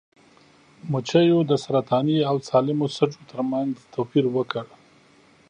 مچیو د سرطاني او سالمو سږو ترمنځ توپیر وکړ.